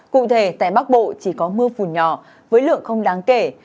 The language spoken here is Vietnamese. cụ thể tại bắc bộ chỉ có mưa phùn nhỏ với lượng không đáng kể